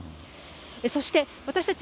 そして、私たち